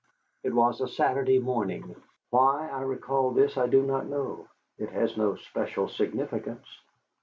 It was a Saturday morning. Why I recall this I do not know. It has no special significance.